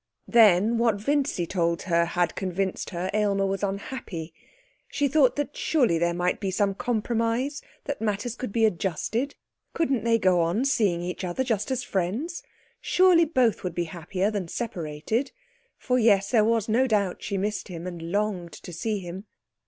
Then, what Vincy told her had convinced her Aylmer was unhappy. She thought that surely there might be some compromise; that matters could be adjusted. Couldn't they go on seeing each other just as friends? Surely both would be happier than separated? For, yes there was no doubt she missed him, and longed to see him.